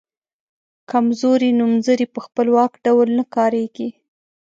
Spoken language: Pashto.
کمزوري نومځري په خپلواکه ډول نه کاریږي.